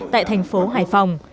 tại thành phố hải phòng